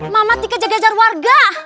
mamat dikeja gejar warga